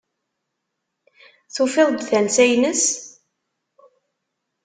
Tufiḍ-d tansa-ines?